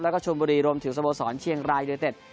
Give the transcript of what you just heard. แล้วก็ชนบุรีรวมถึงสโมสรเชียงรายยูเนเต็ด